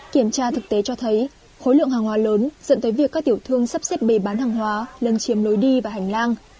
kiểm tra thực tế cho thấy khối lượng hàng hóa lớn dẫn tới việc các tiểu thương sắp xếp bề bán hàng hóa lân chiếm lối đi và hành lang